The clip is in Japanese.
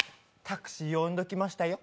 タクシー呼んでおきましたよ。